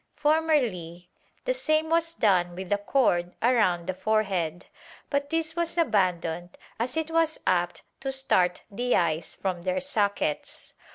Formerly the same was done with the cord around the forehead, but this was abandoned as it was apt to start the eyes from their sockets.